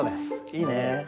いいね。